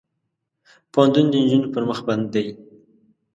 پوهنتون د نجونو پر مخ بند دی.